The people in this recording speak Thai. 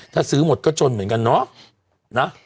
ถ้าซื้อหมดก็จนเหมือนกันเนาะ